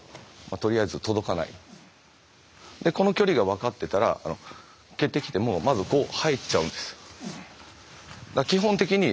でこの距離が分かってたら蹴ってきてもまずこう入っちゃうんです。